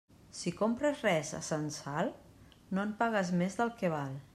Si compres res a censal, no en pagues més del que val.